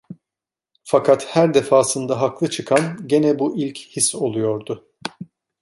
Fakat her defasında haklı çıkan gene bu ilk his oluyordu.